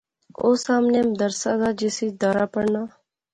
اوہ سامنے مدرسہ زا جس اچ دارا پڑھنا